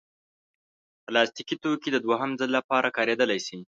پلاستيکي توکي د دوهم ځل لپاره کارېدلی شي.